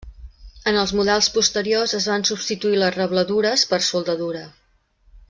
En els models posteriors es van substituir les rebladures per soldadura.